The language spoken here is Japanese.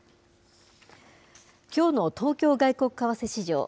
きょうの東京外国為替市場。